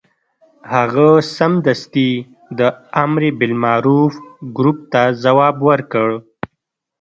هغه سمدستي د امر بالمعروف ګروپ ته ځواب ورکړ.